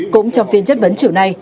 cũng trong phiên chất vấn chiều nay